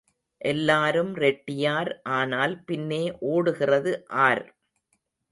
எல்லாரும் ரெட்டியார் ஆனால் பின்னே ஓடுகிறது ஆர்?